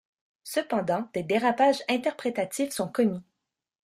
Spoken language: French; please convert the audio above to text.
Cependant des dérapages interprétatifs sont commis.